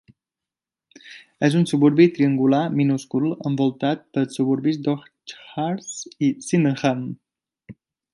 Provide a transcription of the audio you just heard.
És un suburbi triangular minúscul envoltat pels suburbis d'Orchards i Sydenham.